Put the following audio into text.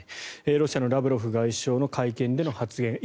ロシアのラブロフ外相の会見での発言。